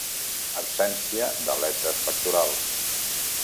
Absència d'aletes pectorals.